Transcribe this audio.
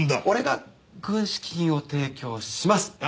俺が軍資金を提供します。